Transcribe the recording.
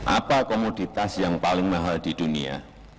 apa komoditas yang paling mahal di dunia